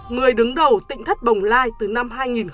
người đứng đầu tỉnh thất bồng lai từ năm hai nghìn một mươi